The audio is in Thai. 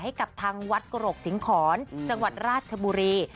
ให้กับทางวัดกรกสิงหอนจังหวัดราชบุรี